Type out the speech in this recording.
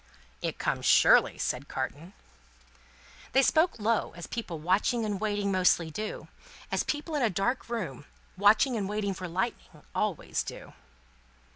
"It comes surely," said Carton. They spoke low, as people watching and waiting mostly do; as people in a dark room, watching and waiting for Lightning, always do.